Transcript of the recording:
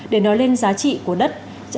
để nói lên giá trị của đất